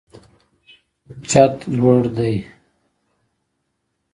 چت لوړ دی.